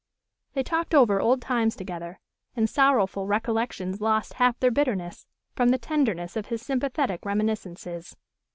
They talked over old times together; and sorrowful recollections lost half their bitterness, from the tenderness of his sympathetic reminiscences.